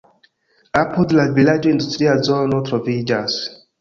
Apud la vilaĝo industria zono troviĝas.